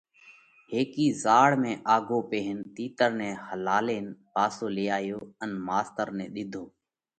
هيڪي زاۯ ۾ آگهو پيهين تِيتر نئہ هلالينَ پاسو لي آيو ان ماستر نئہ ۮِيڌو۔